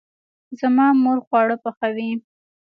زما مور خواړه پخوي